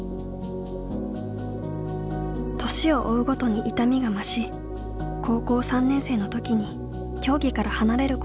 年を追うごとに痛みが増し高校３年生の時に競技から離れることを余儀なくされました。